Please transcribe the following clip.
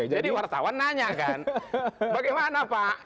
wartawan nanya kan bagaimana pak